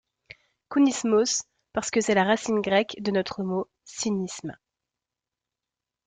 Kunismos parce que c’est la racine grecque de notre mot « cynisme ».